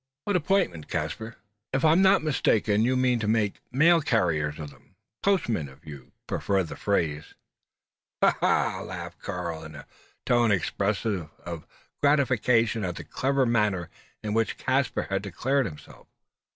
"What appointment, Caspar?" "If I'm not mistaken, you mean to make mail carriers of them postmen, if you prefer the phrase." "Ha! ha! ha!" laughed Karl, in a tone expressive of gratification at the clever manner in which Caspar had declared himself.